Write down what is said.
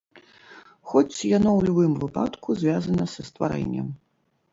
Хоць, яно ў любым выпадку звязана са стварэннем.